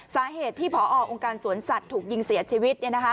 สาเหตุที่พอองค์การสวนสัตว์ถูกยิงเสียชีวิต